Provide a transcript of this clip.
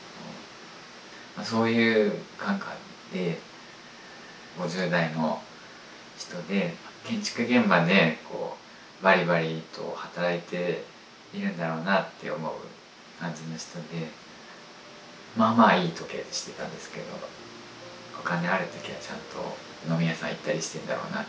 そういう中で５０代の人で建築現場でばりばりと働いているんだろうなって思う感じの人でまあまあいい時計してたんですけどお金ある時はちゃんと飲み屋さん行ったりしてるんだろうなっていうか。